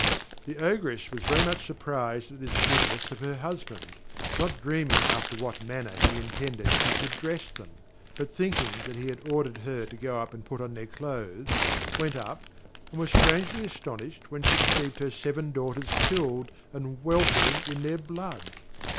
The Ogress was very much surprised at this goodness of her husband, not dreaming after what manner he intended she should dress them; but thinking that he had ordered her to go and put on their cloaths, went up, and was strangely astonished when she perceived her seven daughters killed, and weltering in their blood.